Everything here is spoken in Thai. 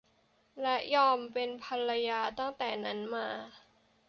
และยอมเป็นภรรยาตั้งแต่นั้นมา